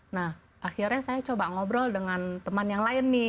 nah akhirnya saya coba ngobrol dengan teman yang lain nih